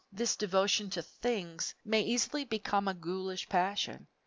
This devotion to "things" may easily become a ghoulish passion.